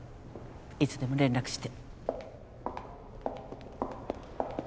いつでも連絡して。